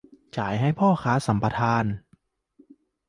จ่ายให้พ่อค้าสัมปทาน